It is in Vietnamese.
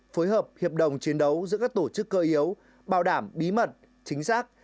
phối hợp hiệp đồng chiến đấu giữa các tổ chức cơ yếu bảo đảm bí mật chính xác